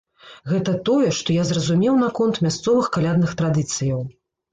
Гэта тое, што я зразумеў наконт мясцовых калядных традыцыяў.